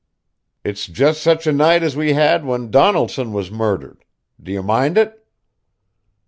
"It's just such a night as we had when Donaldson was murdered. Do you mind it?"